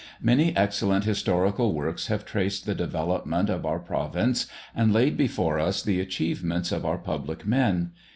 Many excellent historical works have traced the development of our province and laid before us the achievements of our public men.